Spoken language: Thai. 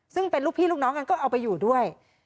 ซึ่งเป็นลูกพี่ลูกน้องกันก็เอาไปอยู่ด้วย